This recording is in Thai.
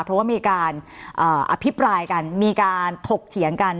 เพราะว่ามีการอภิปรายกันมีการถกเถียงกัน